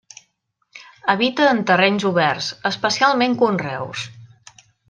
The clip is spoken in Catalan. Habita en terrenys oberts, especialment conreus.